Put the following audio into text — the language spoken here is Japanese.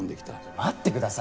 待ってください！